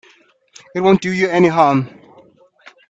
It won't do you any harm.